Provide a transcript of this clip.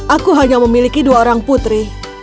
aku hanya memiliki dua orang putri